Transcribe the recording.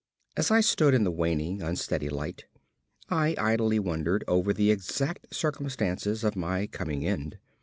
As I stood in the waning, unsteady light, I idly wondered over the exact circumstances of my coming end.